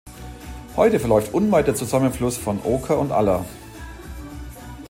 Heute verläuft unweit der Zusammenfluss von Oker und Aller.